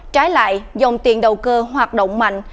trái lại dòng tiền đầu cơ hoạt động mạnh